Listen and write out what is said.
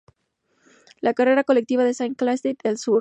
La carretera colectora va a Saint-Calixte al sur.